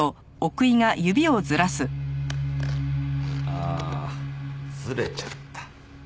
ああずれちゃった。